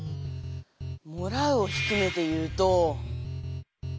「もらう」を低めて言うと。